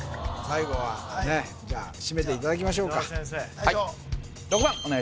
最後はねじゃあしめていただきましょうか・